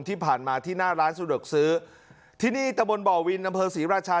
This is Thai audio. ที่ผ่านมาที่หน้าร้านสะดวกซื้อที่นี่ตะบนบ่อวินอำเภอศรีราชา